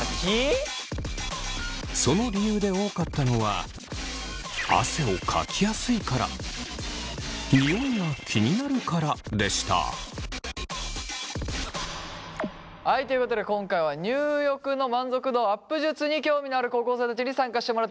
その理由で多かったのははいということで今回は入浴の満足度アップ術に興味のある高校生たちに参加してもらってます。